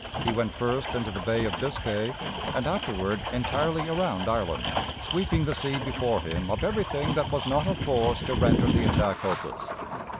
He went first into the Bay of Biscay, and afterward entirely around Ireland, sweeping the sea before him of everything that was not of force to render the attack hopeless.